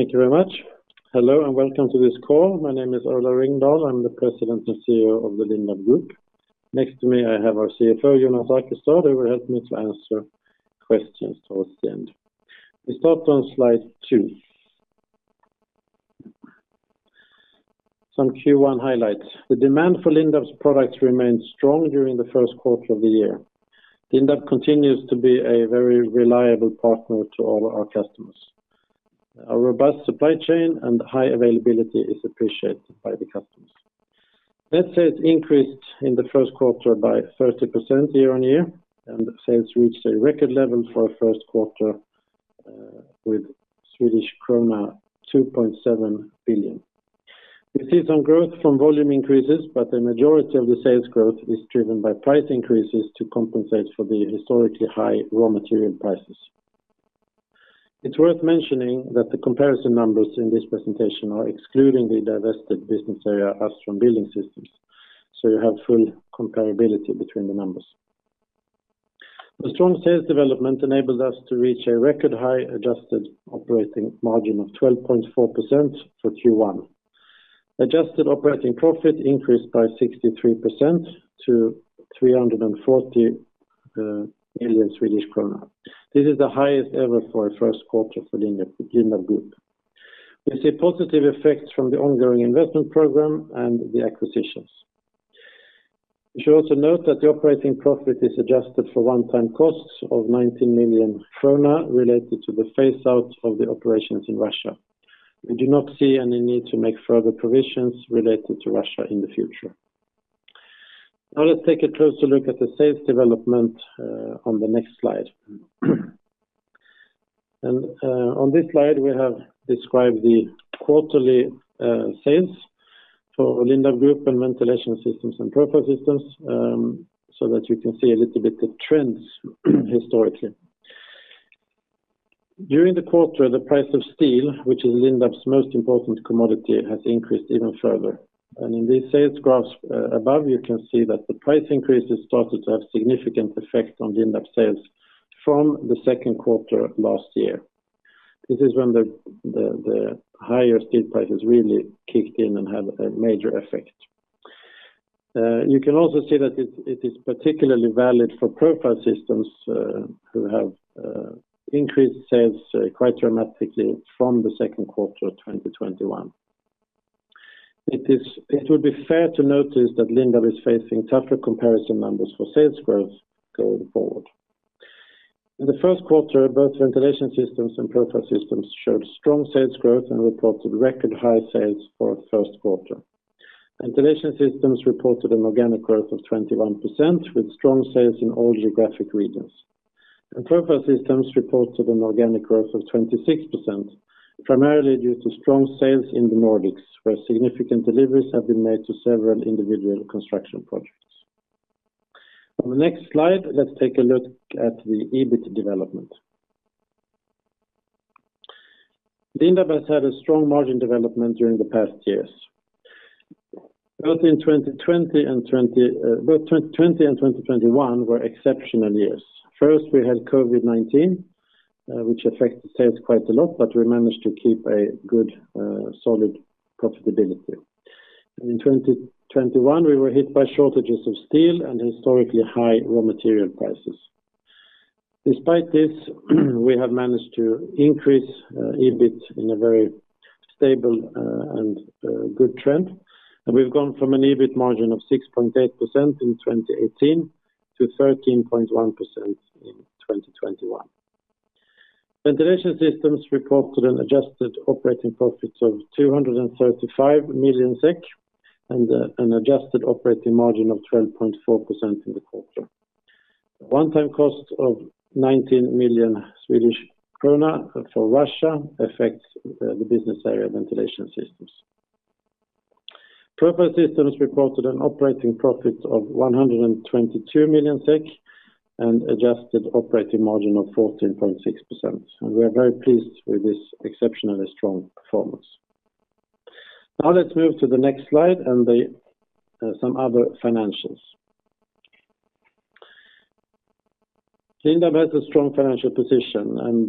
Thank you very much. Hello, and welcome to this call. My name is Ola Ringdahl. I'm the President and CEO of the Lindab Group. Next to me, I have our CFO, Jonas Arkestad, who will help me to answer questions towards the end. We start on slide two. Some Q1 highlights. The demand for Lindab's products remained strong during the Q1 of the year. Lindab continues to be a very reliable partner to all our customers. Our robust supply chain and high availability is appreciated by the customers. Net sales increased in the Q1 by 30% year-on-year, and sales reached a record level for a Q1 with Swedish krona 2.7 billion. We see some growth from volume increases, but the majority of the sales growth is driven by price increases to compensate for the historically high raw material prices. It's worth mentioning that the comparison numbers in this presentation are excluding the divested business area, Astron Building Systems, so you have full comparability between the numbers. The strong sales development enabled us to reach a record high adjusted operating margin of 12.4% for Q1. Adjusted operating profit increased by 63% to 340 million Swedish krona. This is the highest ever for a Q1 for Lindab Group. We see positive effects from the ongoing investment program and the acquisitions. We should also note that the operating profit is adjusted for one-time costs of 19 million krona related to the phase out of the operations in Russia. We do not see any need to make further provisions related to Russia in the future. Now let's take a closer look at the sales development on the next slide. On this slide, we have described the quarterly sales for Lindab Group and Ventilation Systems and Profile Systems, so that you can see a little bit the trends historically. During the quarter, the price of steel, which is Lindab's most important commodity, has increased even further. In these sales graphs above, you can see that the price increases started to have significant effect on Lindab sales from the Q2 last year. This is when the higher steel prices really kicked in and had a major effect. You can also see that it is particularly valid for Profile Systems, who have increased sales quite dramatically from the Q2 of 2021. It would be fair to notice that Lindab is facing tougher comparison numbers for sales growth going forward. In the Q1, both Ventilation Systems and Profile Systems showed strong sales growth and reported record high sales for a Q1. Ventilation Systems reported an organic growth of 21% with strong sales in all geographic regions. Profile Systems reported an organic growth of 26%, primarily due to strong sales in the Nordics, where significant deliveries have been made to several individual construction projects. On the next slide, let's take a look at the EBIT development. Lindab has had a strong margin development during the past years. Both in 2020 and 2021 were exceptional years. First, we had COVID-19, which affected sales quite a lot, but we managed to keep a good, solid profitability. In 2021, we were hit by shortages of steel and historically high raw material prices. Despite this, we have managed to increase EBIT in a very stable and good trend. We've gone from an EBIT margin of 6.8% in 2018 to 13.1% in 2021. Ventilation Systems reported an adjusted operating profit of 235 million SEK and an adjusted operating margin of 12.4% in the quarter. One-time cost of 19 million Swedish krona for Russia affects the business area Ventilation Systems. Profile Systems reported an operating profit of 122 million SEK and adjusted operating margin of 14.6%. We are very pleased with this exceptionally strong performance. Now let's move to the next slide and some other financials. Lindab has a strong financial position and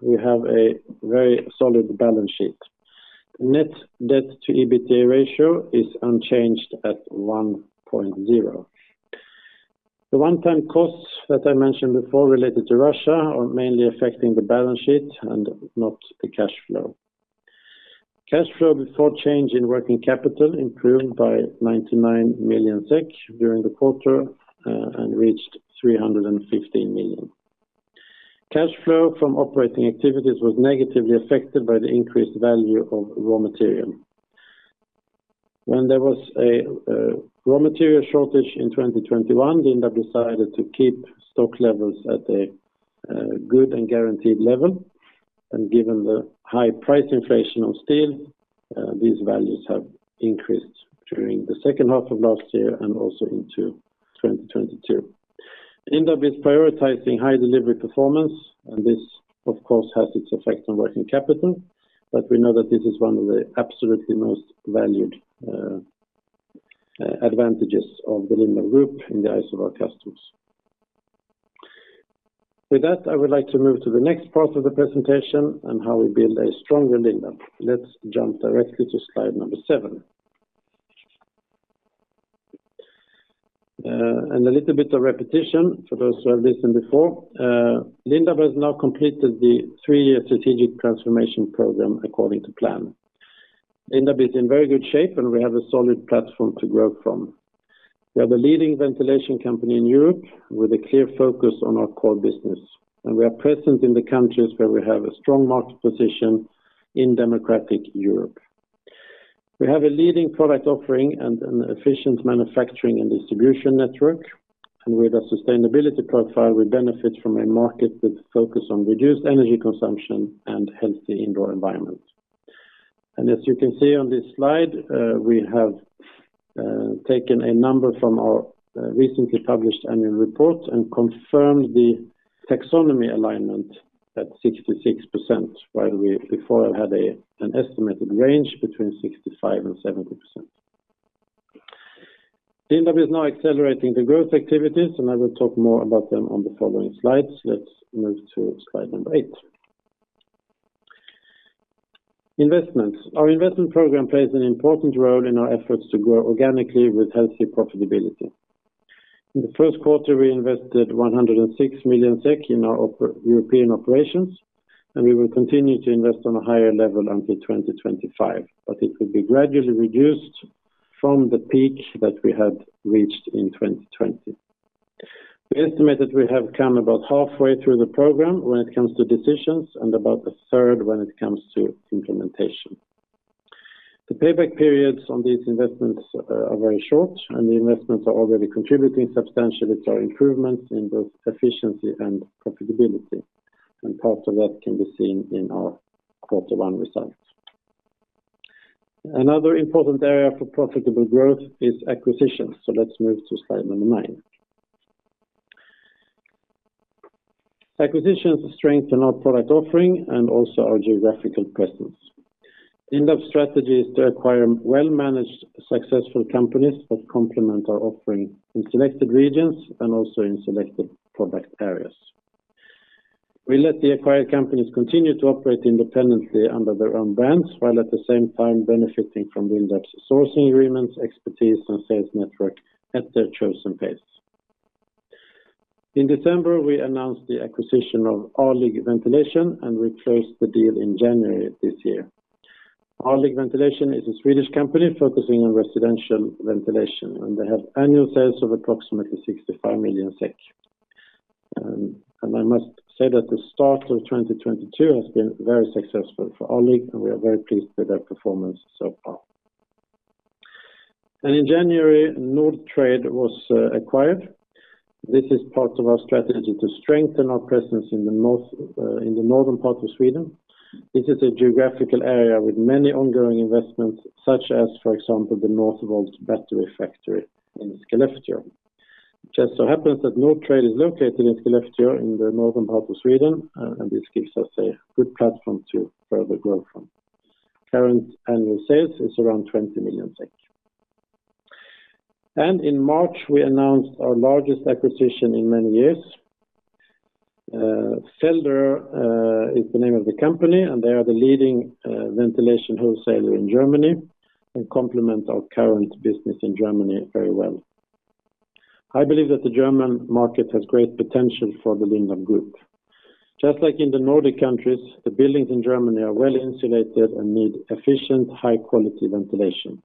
we have a very solid balance sheet. Net debt to EBITA ratio is unchanged at 1.0. The one-time costs that I mentioned before related to Russia are mainly affecting the balance sheet and not the cash flow. Cash flow before change in working capital improved by 99 million SEK during the quarter, and reached 315 million. Cash flow from operating activities was negatively affected by the increased value of raw material. When there was a raw material shortage in 2021, Lindab decided to keep stock levels at a good and guaranteed level. Given the high price inflation of steel, these values have increased during the second half of last year and also into 2022. Lindab is prioritizing high delivery performance, and this, of course, has its effect on working capital, but we know that this is one of the absolutely most valued advantages of the Lindab Group in the eyes of our customers. With that, I would like to move to the next part of the presentation on how we build a stronger Lindab. Let's jump directly to slide number seven. A little bit of repetition for those who have listened before. Lindab has now completed the three-year strategic transformation program according to plan. Lindab is in very good shape, and we have a solid platform to grow from. We are the leading ventilation company in Europe with a clear focus on our core business, and we are present in the countries where we have a strong market position in democratic Europe. We have a leading product offering and an efficient manufacturing and distribution network, and with a sustainability profile, we benefit from a market that's focused on reduced energy consumption and healthy indoor environment. As you can see on this slide, we have taken a number from our recently published annual report and confirmed the taxonomy alignment at 66%, while we before had an estimated range between 65% and 70%. Lindab is now accelerating the growth activities, and I will talk more about them on the following slides. Let's move to slide number eight. Investments. Our investment program plays an important role in our efforts to grow organically with healthy profitability. In the Q1, we invested 106 million SEK in our European operations, and we will continue to invest on a higher level until 2025. It will be gradually reduced from the peak that we had reached in 2020. We estimate that we have come about halfway through the program when it comes to decisions and about a third when it comes to implementation. The payback periods on these investments are very short, and the investments are already contributing substantially to our improvements in both efficiency and profitability, and part of that can be seen in our quarter one results. Another important area for profitable growth is acquisitions. Let's move to slide number nine. Acquisitions strengthen our product offering and also our geographical presence. Lindab's strategy is to acquire well-managed, successful companies that complement our offering in selected regions and also in selected product areas. We let the acquired companies continue to operate independently under their own brands, while at the same time benefiting from Lindab's sourcing agreements, expertise, and sales network at their chosen pace. In December, we announced the acquisition of Alig Ventilation, and we closed the deal in January this year. Alig Ventilation is a Swedish company focusing on residential ventilation, and they have annual sales of approximately 65 million SEK. I must say that the start of 2022 has been very successful for Alig, and we are very pleased with their performance so far. In January, Nord Trade was acquired. This is part of our strategy to strengthen our presence in the north, in the northern part of Sweden. This is a geographical area with many ongoing investments, such as, for example, the Northvolt battery factory in Skellefteå. Just so happens that Nord Trade is located in Skellefteå in the northern part of Sweden, and this gives us a good platform to further grow from. Current annual sales is around 20 million. In March, we announced our largest acquisition in many years. Felderer is the name of the company, and they are the leading ventilation wholesaler in Germany and complement our current business in Germany very well. I believe that the German market has great potential for the Lindab Group. Just like in the Nordic countries, the buildings in Germany are well-insulated and need efficient, high-quality ventilation.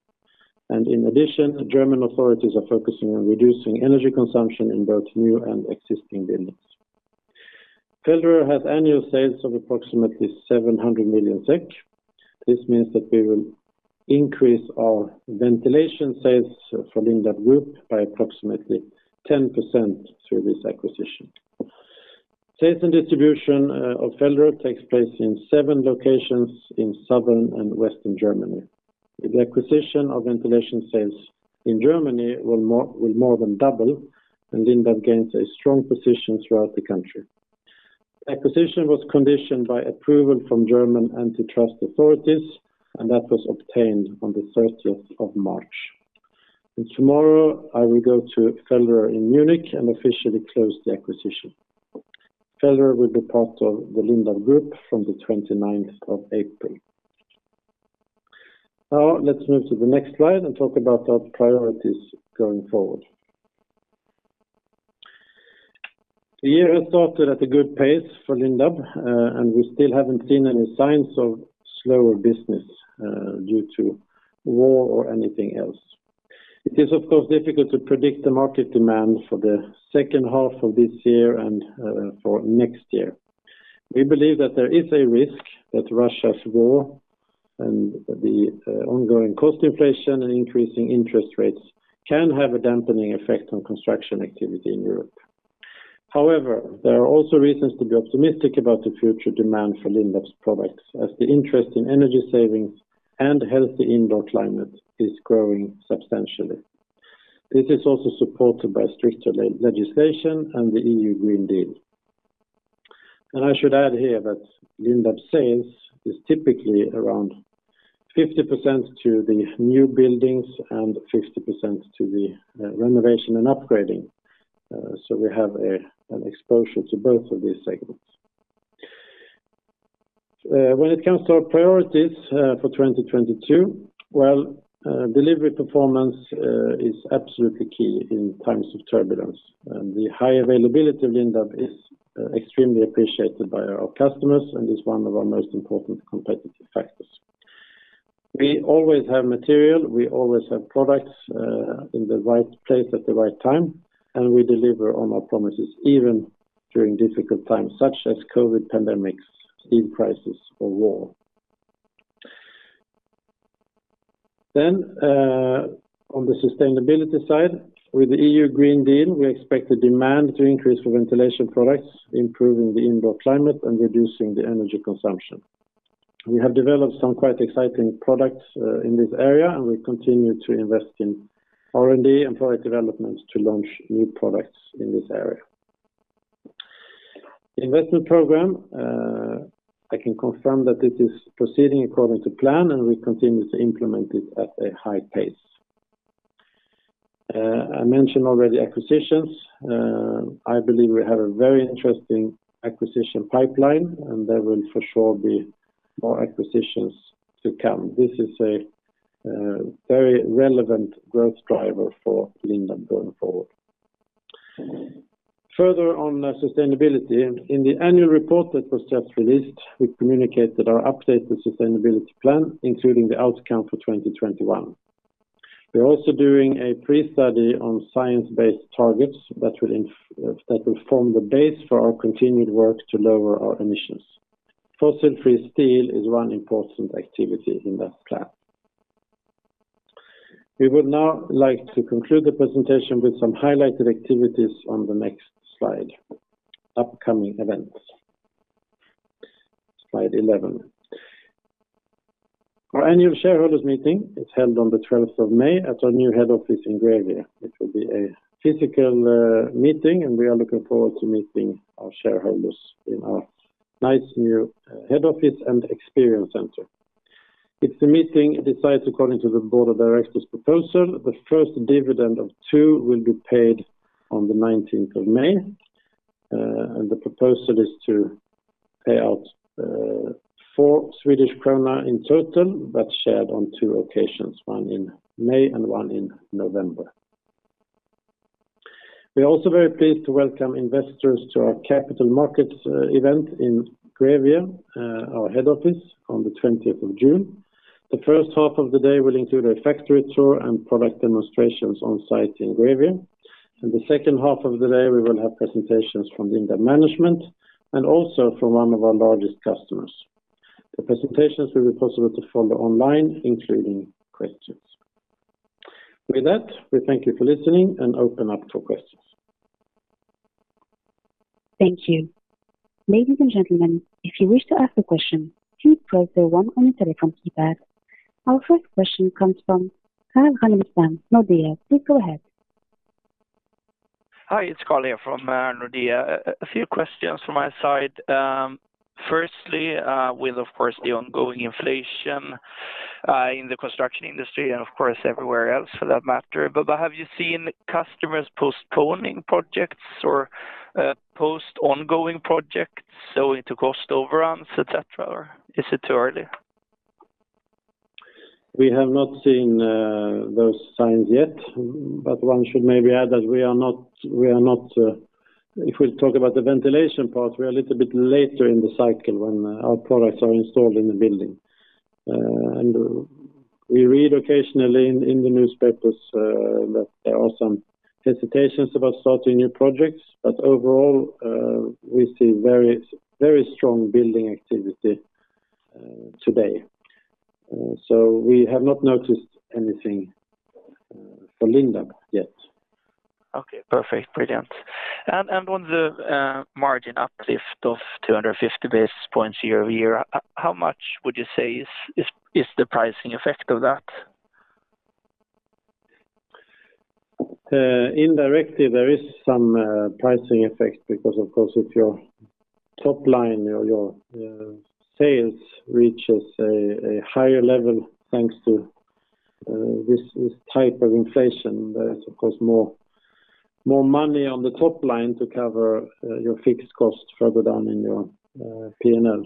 In addition, German authorities are focusing on reducing energy consumption in both new and existing buildings. Felder has annual sales of approximately 700 million SEK. This means that we will increase our ventilation sales for Lindab Group by approximately 10% through this acquisition. Sales and distribution of Felder takes place in seven locations in Southern and Western Germany. With the acquisition of ventilation sales in Germany will more than double, and Lindab gains a strong position throughout the country. Acquisition was conditioned by approval from German antitrust authorities, and that was obtained on the March 30th. Tomorrow, I will go to Felder in Munich and officially close the acquisition. Felder will be part of the Lindab Group from the April 29th. Now let's move to the next slide and talk about our priorities going forward. The year has started at a good pace for Lindab, and we still haven't seen any signs of slower business due to war or anything else. It is, of course, difficult to predict the market demand for the second half of this year and for next year. We believe that there is a risk that Russia's war and the ongoing cost inflation and increasing interest rates can have a dampening effect on construction activity in Europe. However, there are also reasons to be optimistic about the future demand for Lindab's products, as the interest in energy savings and healthy indoor climate is growing substantially. This is also supported by stricter legislation and the EU Green Deal. I should add here that Lindab sales is typically around 50% to the new buildings and 50% to the renovation and upgrading. We have an exposure to both of these segments. When it comes to our priorities for 2022, well, delivery performance is absolutely key in times of turbulence, and the high availability of Lindab is extremely appreciated by our customers, and is one of our most important competitive factors. We always have material, we always have products, in the right place at the right time, and we deliver on our promises even during difficult times such as COVID pandemic, steel prices, or war. On the sustainability side, with the EU Green Deal, we expect the demand to increase for ventilation products, improving the indoor climate and reducing the energy consumption. We have developed some quite exciting products, in this area, and we continue to invest in R&D and product developments to launch new products in this area. Investment program, I can confirm that it is proceeding according to plan, and we continue to implement it at a high pace. I mentioned already acquisitions. I believe we have a very interesting acquisition pipeline, and there will for sure be more acquisitions to come. This is a very relevant growth driver for Lindab going forward. Further on sustainability. In the annual report that was just released, we communicated our updated sustainability plan, including the outcome for 2021. We're also doing a pre-study on science-based targets that will form the base for our continued work to lower our emissions. Fossil-free steel is one important activity in that plan. We would now like to conclude the presentation with some highlighted activities on the next slide. Upcoming events. Slide 11. Our annual shareholders meeting is held on the May 12th, at our new head office in Grevie. It will be a physical meeting, and we are looking forward to meeting our shareholders in our nice new head office and experience center. If the meeting decides according to the board of directors' proposal, the first dividend of two will be paid on the May 19th. The proposal is to pay out 4 Swedish krona in total, but shared on two occasions, one in May and one in November. We are also very pleased to welcome investors to our capital markets event in Grevie, our head office, on the June 20th. The first half of the day will include a factory tour and product demonstrations on-site in Grevie. In the second half of the day, we will have presentations from Lindab management and also from one of our largest customers. The presentations will be possible to follow online, including questions. With that, we thank you for listening and open up for questions. Thank you. Ladies and gentlemen, if you wish to ask a question, please press zero one on your telephone keypad. Our first question comes from Carl Ragnerstam, Nordea. Please go ahead. Hi, it's Carl here from Nordea. A few questions from my side. Firstly, with, of course, the ongoing inflation in the construction industry and of course everywhere else for that matter, but have you seen customers postponing projects or postponing ongoing projects going to cost overruns, et cetera? Or is it too early? We have not seen those signs yet. One should maybe add that we are not if we talk about the ventilation part, we are a little bit later in the cycle when our products are installed in the building. We read occasionally in the newspapers that there are some hesitations about starting new projects. Overall, we see very strong building activity today. We have not noticed anything for Lindab yet. Okay, perfect. Brilliant. On the margin uplift of 250 basis points year-over-year, how much would you say is the pricing effect of that? Indirectly, there is some pricing effect because of course if your top line, your sales reaches a higher level thanks to this type of inflation, there's of course more money on the top line to cover your fixed costs further down in your P&L.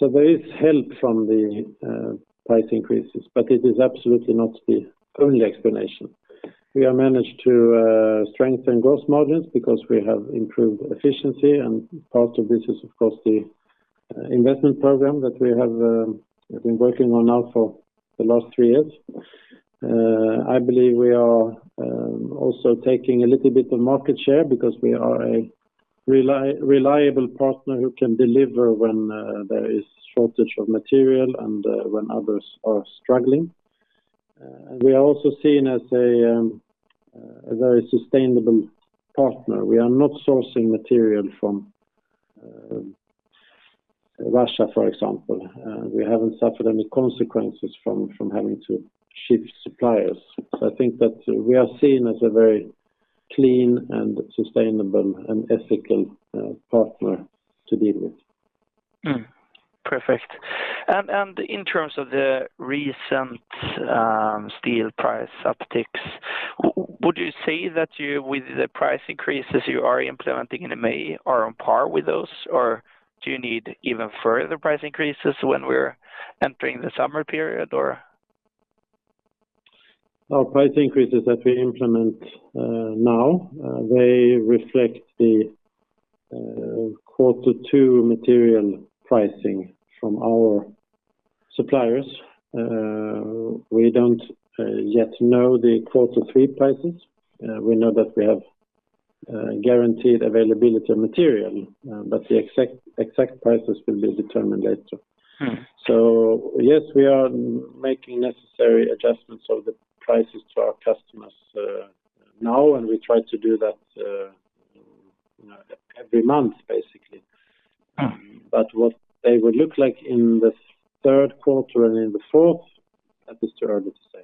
There is help from the price increases, but it is absolutely not the only explanation. We have managed to strengthen gross margins because we have improved efficiency, and part of this is of course the investment program that we have been working on now for the last three years. I believe we are also taking a little bit of market share because we are a reliable partner who can deliver when there is shortage of material and when others are struggling. We are also seen as a very sustainable partner. We are not sourcing material from Russia, for example, we haven't suffered any consequences from having to shift suppliers. I think that we are seen as a very clean and sustainable and ethical partner to deal with. Perfect. In terms of the recent steel price upticks, would you say that with the price increases you are implementing in May are on par with those, or do you need even further price increases when we're entering the summer period? Our price increases that we implement now, they reflect the quarter two material pricing from our suppliers. We don't yet know the quarter three prices. We know that we have guaranteed availability of material, but the exact prices will be determined later. Mm. Yes, we are making necessary adjustments of the prices to our customers, now, and we try to do that, you know, every month, basically. Mm. What they would look like in the Q3 and in the Q4, that is too early to say.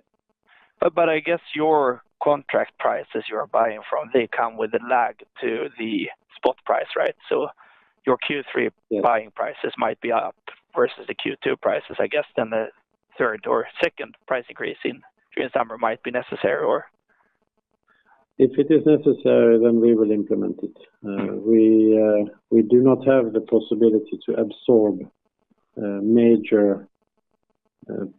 I guess your contract prices you're buying from, they come with a lag to the spot price, right? Your Q3- Yeah. Buying prices might be up versus the Q2 prices. I guess then the third or second price increase during summer might be necessary or? If it is necessary, then we will implement it. We do not have the possibility to absorb major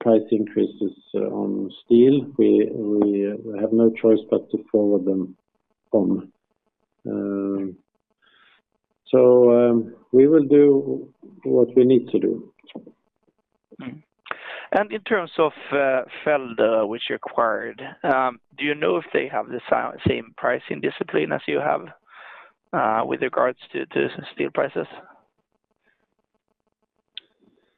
price increases on steel. We have no choice but to forward them on. We will do what we need to do. In terms of Felder, which you acquired, do you know if they have the same pricing discipline as you have with regards to steel prices?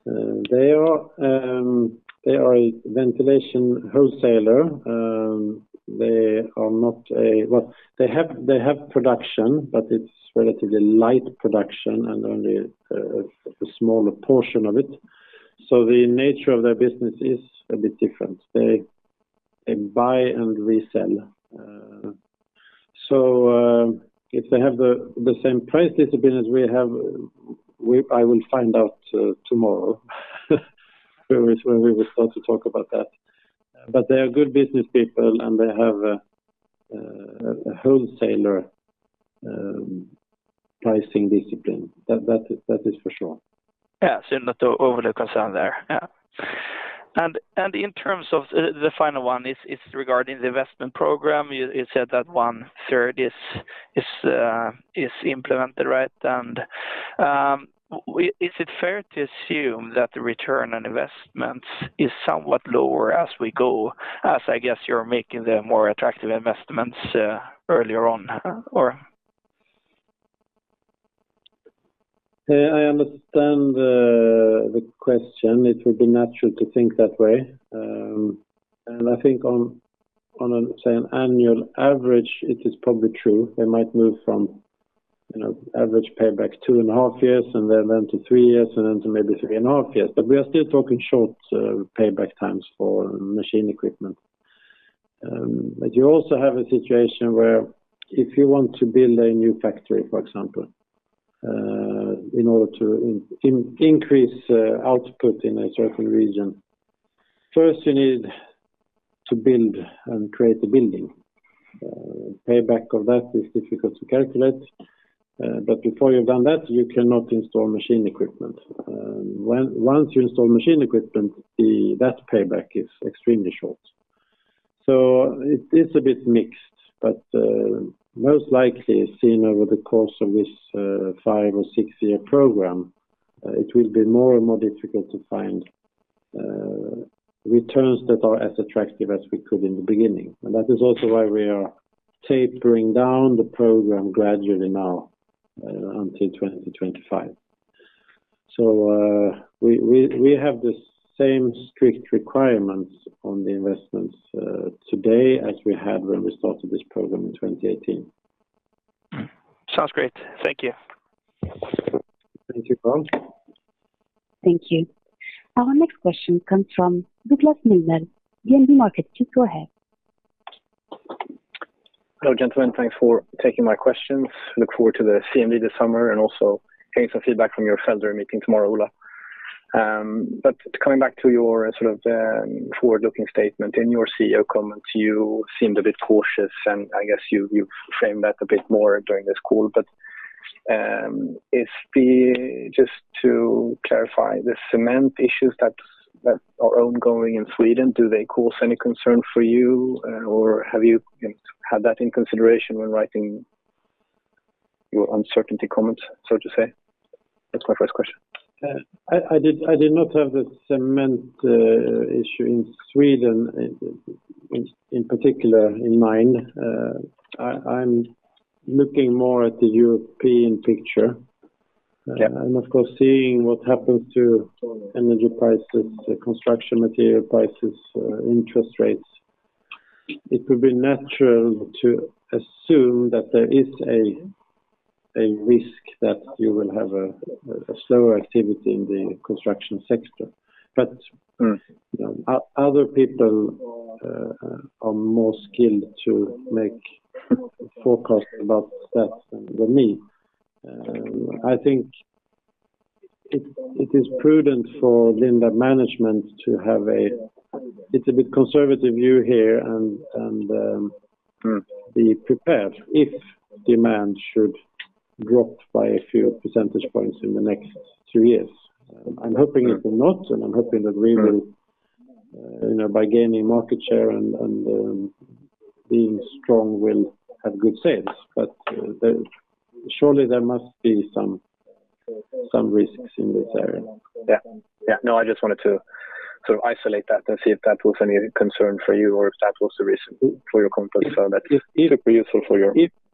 They are a ventilation wholesaler. Well, they have production, but it's relatively light production and only a smaller portion of it. The nature of their business is a bit different. They buy and resell. If they have the same price discipline as we have, I will find out tomorrow when we will start to talk about that. They are good business people, and they have a wholesaler pricing discipline. That is for sure. Yeah. Not overly concerned there. Yeah. In terms of the final one is regarding the investment program. You said that one-third is implemented, right? Is it fair to assume that the return on investments is somewhat lower as we go, as I guess you're making the more attractive investments earlier on, or? I understand the question. It would be natural to think that way. I think on a, say, an annual average, it is probably true. They might move from, you know, average payback two and a half years, and then to three years, and then to maybe three and a half years. We are still talking short payback times for machine equipment. You also have a situation where if you want to build a new factory, for example, in order to increase output in a certain region, first you need to build and create the building. Payback of that is difficult to calculate, but before you've done that, you cannot install machine equipment. Once you install machine equipment, that payback is extremely short. It is a bit mixed, but most likely seen over the course of this five- or six-year program, it will be more and more difficult to find returns that are as attractive as we could in the beginning. That is also why we are tapering down the program gradually now until 2025. We have the same strict requirements on the investments today as we had when we started this program in 2018. Sounds great. Thank you. Thank you, Carl. Thank you. Our next question comes from Douglas Lindahl, DNB Markets. Please go ahead. Hello, gentlemen. Thanks for taking my questions. Look forward to the CMD this summer and also getting some feedback from your Felder meeting tomorrow, Ola. Coming back to your sort of, forward-looking statement. In your CEO comments, you seemed a bit cautious, and I guess you've framed that a bit more during this call. If we just to clarify the cement issues that are ongoing in Sweden, do they cause any concern for you, or have you know, had that in consideration when writing your uncertainty comments, so to say? That's my first question. I did not have the segment issue in Sweden in particular in mind. I'm looking more at the European picture. Yeah. Of course seeing what happens to energy prices, construction material prices, interest rates. It would be natural to assume that there is a risk that you will have a slower activity in the construction sector. Mm. You know, other people are more skilled to make forecasts about that than me. I think it is prudent for Lindab management to have a little bit conservative view here and. Mm. Be prepared if demand should drop by a few percentage points in the next two years. I'm hoping it will not, and I'm hoping that we will. Mm. You know, by gaining market share and being strong will have good sales. Surely there must be some risks in this area. Yeah. Yeah. No, I just wanted to sort of isolate that to see if that was any concern for you or if that was the reason for your confidence on that. It could be useful for your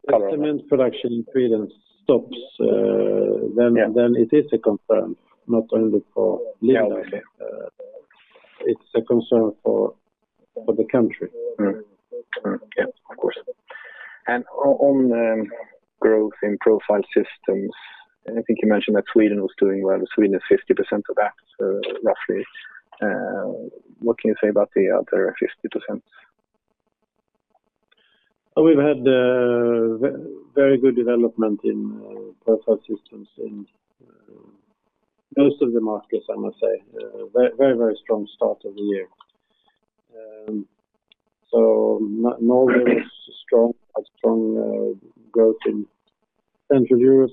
color. If cement production in Sweden stops. Yeah. It is a concern, not only for Lindab. Yeah, okay. It's a concern for the country. Yeah, of course. On growth in Profile Systems, and I think you mentioned that Sweden was doing well. Sweden is 50% of that, roughly. What can you say about the other 50%? We've had very good development in Profile Systems in most of the markets, I must say. Very strong start of the year. Norway is strong. Has strong growth in Central Europe.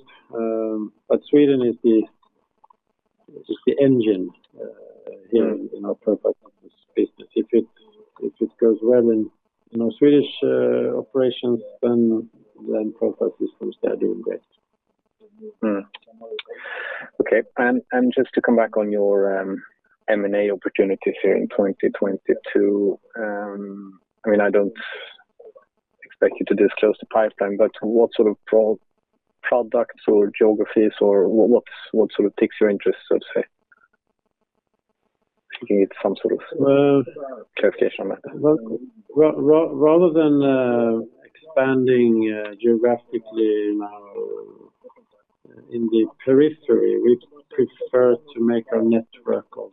Sweden is the engine here in our Profile Systems business. If it goes well in, you know, Swedish operations, then Profile Systems they are doing great. Okay. Just to come back on your M&A opportunities here in 2022. I mean, I don't expect you to disclose the pipeline, but what sort of products or geographies or what sort of piques your interest, so to say? You can give some sort of Well- Clarification on that. Rather than expanding geographically now in the periphery, we prefer to make our network of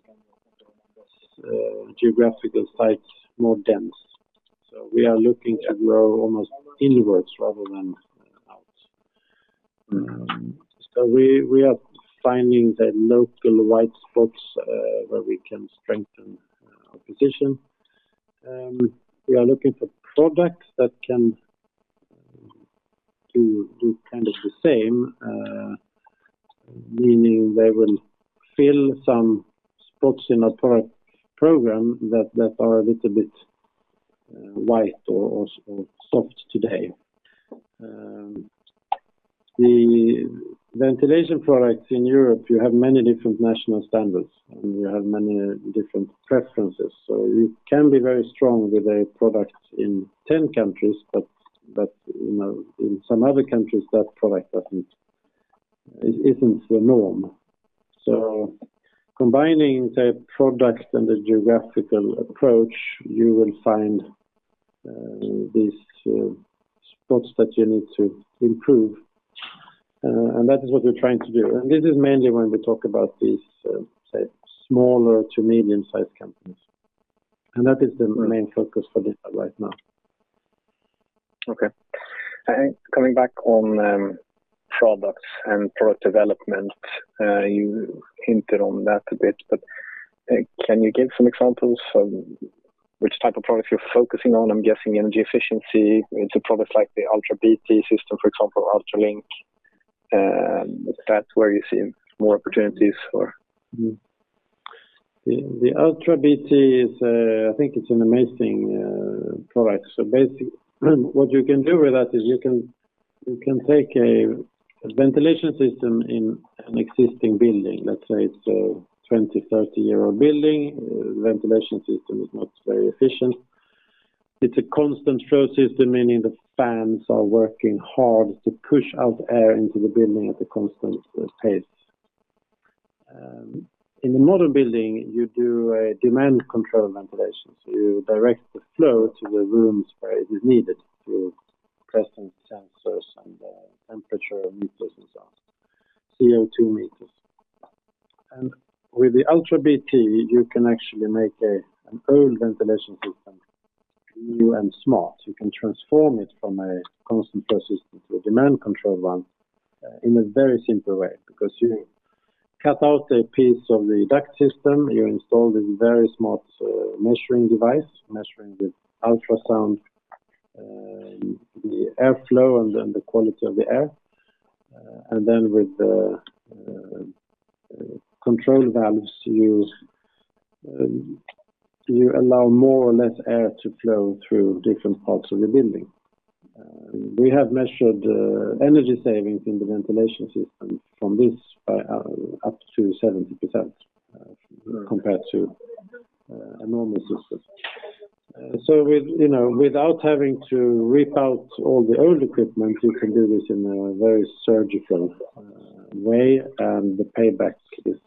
geographical sites more dense. We are looking to grow almost inwards rather than out. Mm. We are finding the local white spots where we can strengthen our position. We are looking for products that can do kind of the same, meaning they will fill some spots in our product program that are a little bit white or soft today. The ventilation products in Europe, you have many different national standards, and you have many different preferences. You can be very strong with a product in 10 countries, but you know, in some other countries, that product doesn't. It isn't the norm. Combining the product and the geographical approach, you will find these spots that you need to improve. That is what we're trying to do. This is mainly when we talk about these say, smaller to medium-sized companies. That is the main focus for this right now. Okay. Coming back on products and product development, you hinted on that a bit, but can you give some examples of which type of products you're focusing on? I'm guessing energy efficiency into products like the Ultra BT system, for example, UltraLink. Is that where you see more opportunities or? The Ultra BT is. I think it's an amazing product. What you can do with that is you can take a ventilation system in an existing building. Let's say it's a 20-30-year-old building. Ventilation system is not very efficient. It's a constant flow system, meaning the fans are working hard to push out air into the building at a constant pace. In a modern building, you do a demand-controlled ventilation. You direct the flow to the rooms where it is needed through presence sensors and temperature meters and so on, CO2 meters. With the Ultra BT, you can actually make an old ventilation system new and smart. You can transform it from a constant flow system to a demand-controlled one in a very simple way. Because you cut out a piece of the duct system, you install this very smart measuring device, measuring the ultrasonic the airflow and then the quality of the air. With the control valves, you allow more or less air to flow through different parts of the building. We have measured energy savings in the ventilation system from this by up to 70%, compared to a normal system. With you know without having to rip out all the old equipment, you can do this in a very surgical way, and the payback is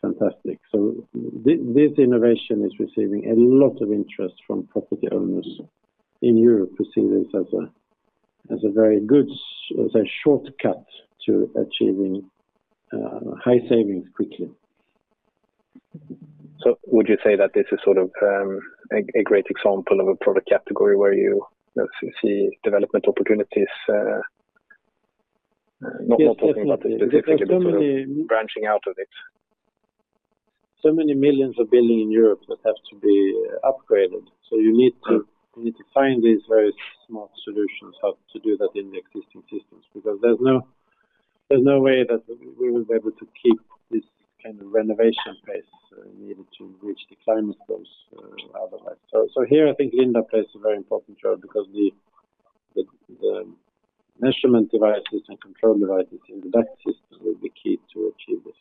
fantastic. This innovation is receiving a lot of interest from property owners in Europe who see this as a very good shortcut to achieving high savings quickly. Would you say that this is sort of a great example of a product category where you, let's say, see development opportunities, not talking about the specific- Yes, definitely. There's so many. Sort of branching out of it? Many millions of buildings in Europe that have to be upgraded. You need to Right You need to find these very smart solutions how to do that in the existing systems. Because there's no way that we will be able to keep this kind of renovation pace needed to reach the climate goals otherwise. Here, I think Lindab plays a very important job because the measurement devices and control devices in the duct system will be key to achieve this.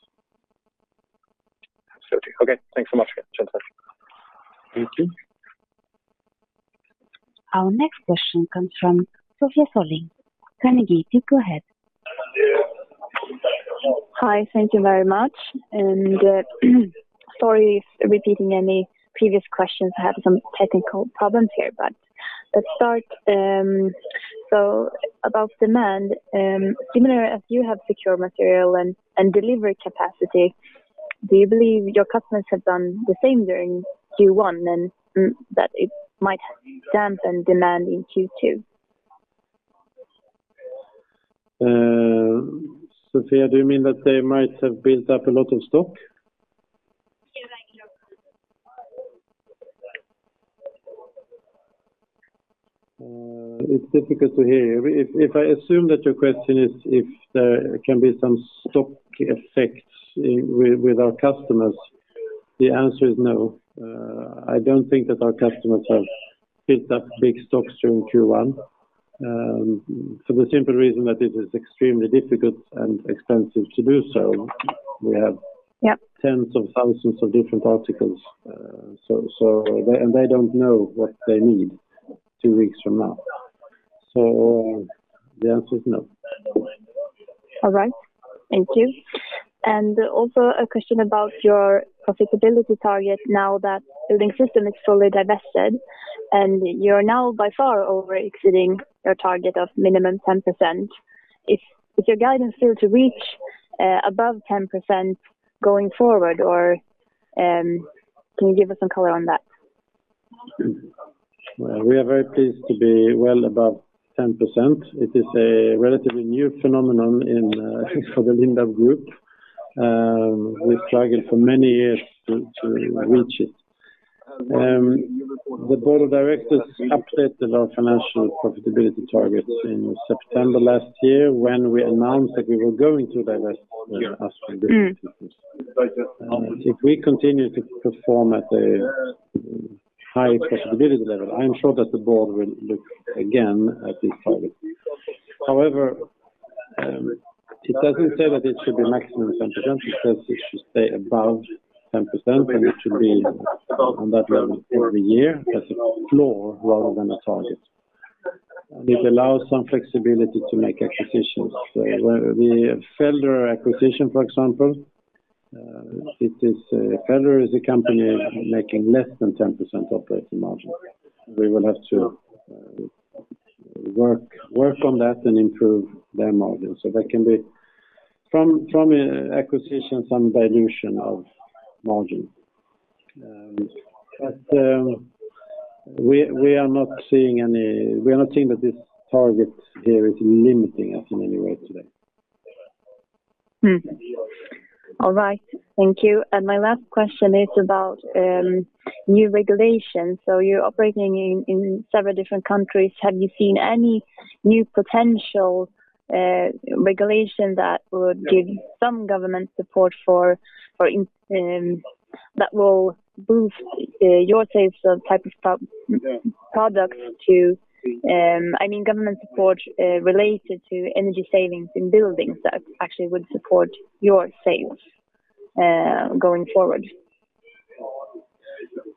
Absolutely. Okay, thanks so much, Jens. Thank you. Our next question comes from Sofia Sörling, Carnegie. Please go ahead. Hi. Thank you very much. Sorry if repeating any previous questions. I have some technical problems here. Let's start about demand, similar as you have secured material and delivery capacity, do you believe your customers have done the same during Q1, and that it might have dampened demand in Q2? Sofia, do you mean that they might have built up a lot of stock? Yeah, thank you. It's difficult to hear. If I assume that your question is if there can be some stock effects with our customers, the answer is no. I don't think that our customers have built up big stocks during Q1, for the simple reason that it is extremely difficult and expensive to do so. We have Yep tens of thousands of different articles. They don't know what they need two weeks from now. The answer is no. All right. Thank you. Also a question about your profitability target now that Building Systems is fully divested, and you're now by far over-exceeding your target of minimum 10%. Is your guidance still to reach above 10% going forward or can you give us some color on that? Well, we are very pleased to be well above 10%. It is a relatively new phenomenon for the Lindab Group. We've struggled for many years to reach it. The board of directors updated our financial profitability targets in September last year when we announced that we were going to divest the Astron business. Mm. If we continue to perform at a high profitability level, I am sure that the board will look again at this target. However, it doesn't say that it should be maximum 10%. It says it should stay above 10%, and it should be on that level every year as a floor rather than a target. It allows some flexibility to make acquisitions. The Felder acquisition, for example, Felder is a company making less than 10% operating margin. We will have to work on that and improve their margin. There can be from an acquisition, some dilution of margin. We are not seeing that this target here is limiting us in any way today. All right. Thank you. My last question is about new regulations. You're operating in several different countries. Have you seen any new potential regulation that would give some government support for that will boost your sales of type of products? I mean government support related to energy savings in buildings that actually would support your sales going forward?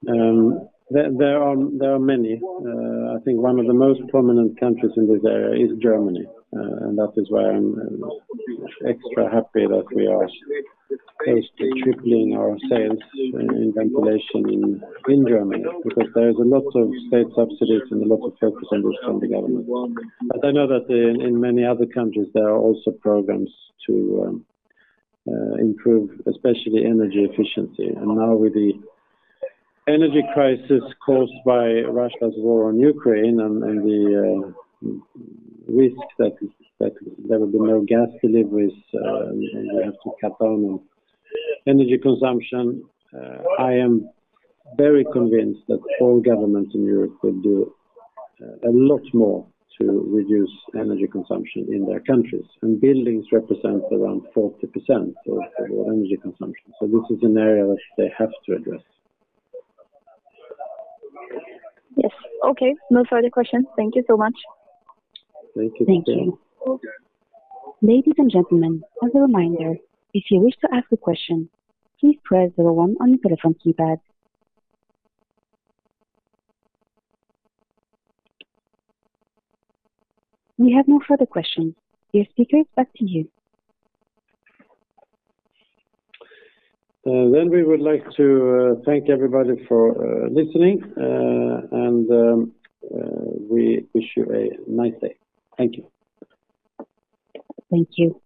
There are many. I think one of the most prominent countries in this area is Germany. That is why I'm extra happy that we are poised to triple our sales in ventilation in Germany because there is a lot of state subsidies and a lot of focus on this from the government. I know that in many other countries, there are also programs to improve especially energy efficiency. Now with the energy crisis caused by Russia's war on Ukraine and the risk that there will be no gas deliveries and we have to cut down on energy consumption, I am very convinced that all governments in Europe will do a lot more to reduce energy consumption in their countries. Buildings represent around 40% of energy consumption, so this is an area which they have to address. Yes, okay. No further questions. Thank you so much. Thank you. Thank you. Ladies and gentlemen, as a reminder, if you wish to ask a question, please press zero one on your telephone keypad. We have no further questions. Dear speakers, back to you. We would like to thank everybody for listening, and we wish you a nice day. Thank you. Thank you.